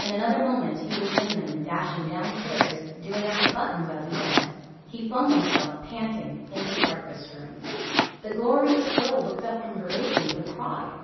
In another moment he was in them and dashing downstairs, doing up the buttons as he went. He flung himself, panting, into the breakfast room. The glorious girl looked up from her bacon with a cry.